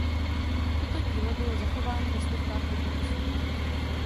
Toto dílo bylo zachováno ve stovkách rukopisů.